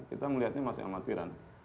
kita melihatnya masih amatiran